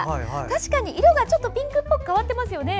確かに色がちょっとピンクっぽく変わっていますよね。